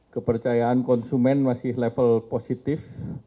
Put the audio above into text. kepercayaan konsumen masih level positif